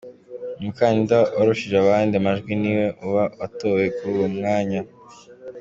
Umukandida warushije abandi amajwi ni we uba atowe kuri uwo mwanya.